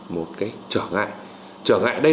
một cái trở ngại trở ngại đây